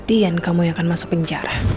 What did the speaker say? dian kamu yang akan masuk penjara